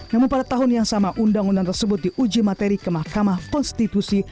namun pada tahun yang sama undang undang tersebut diuji materi ke mahkamah konstitusi